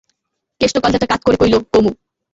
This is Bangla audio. কেষ্ট কল্লাটা কাৎ করে কইল, কমু।